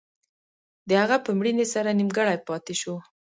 د هغه په مړینې سره نیمګړی پاتې شو.